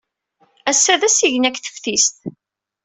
Ass-a, d asigna deg teftist.